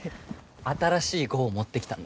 新しい号を持ってきたんだ。